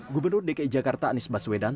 gubernur dki jakarta anies baswedan